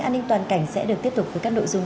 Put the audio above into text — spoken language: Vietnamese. an ninh toàn cảnh sẽ được tiếp tục với các nội dung